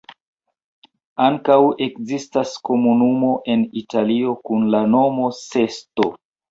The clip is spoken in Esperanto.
Ankaŭ ekzistas komunumo en Italio kun la nomo Sesto.